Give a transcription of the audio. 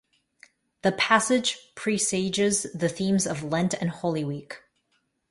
The passage presages the themes of Lent and Holy Week.